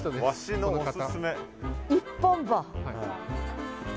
一本歯。